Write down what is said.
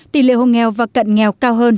tỷ lệ hộ nghèo và cận nghèo cao hơn